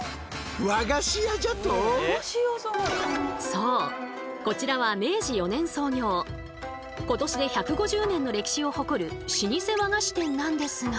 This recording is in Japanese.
そうこちらは明治４年創業今年で１５０年の歴史を誇る老舗和菓子店なんですが。